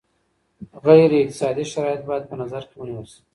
غیر اقتصادي شرایط باید په نظر کي ونیول سي.